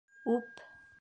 Үп!